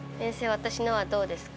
私のはどうですか？